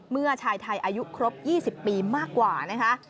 เมื่อชายไทยอายุครบ๒๐ปีมากกว่านะคะ